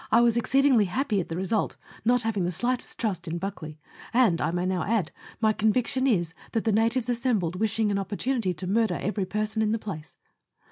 115 was exceedingly happy at the result, not having the slightest trust in Buckley; and I may now add, my conviction is that the natives assembled wishing an opportunity to murder every per son in the place.